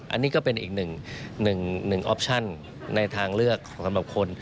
อันนี้ก็เป็นอีกหนึ่งออปชั่นในทางเลือกสำหรับคน